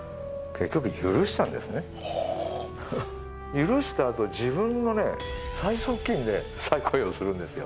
許したあと自分の最側近で再雇用するんですよ。